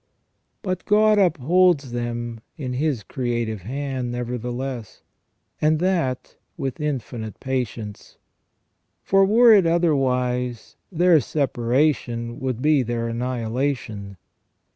But God upholds them in His creative hand, nevertheless, and that with infinite patience ; for were it otherwise, their separation would be their annihilation.